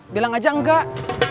bilang aja enggak